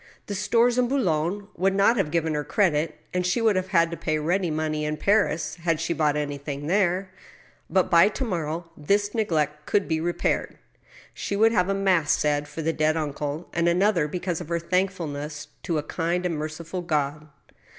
The stores in Boulogne would not have g^ven her credit, and she would have had to pay ready money in Paris, had she bought anything there. But, by to morrow, this neglect could be repaired. ... She would have a mass said for the dead uncle, and another because of her thankfulness to a kind and merciful God.